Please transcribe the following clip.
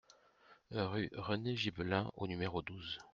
Rue René Gibelin au numéro douze